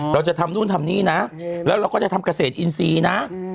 เราจะทำนู่นทำนี่นะแล้วเราก็จะทำเกษตรอินทรีย์นะ